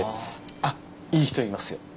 あっいい人いますよ。